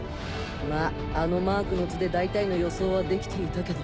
まぁあのマークの図で大体の予想はできていたけど